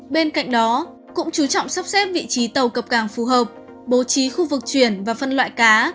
bên cạnh đó cũng chú trọng sắp xếp vị trí tàu cập cảng phù hợp bố trí khu vực chuyển và phân loại cá